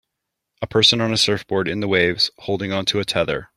A person on a surfboard in the waves, holding onto a tether.